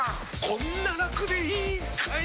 こんなラクでいいんかい！